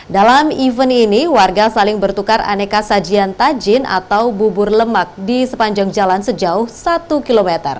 dalam event ini warga saling bertukar aneka sajian tajin atau bubur lemak di sepanjang jalan sejauh satu km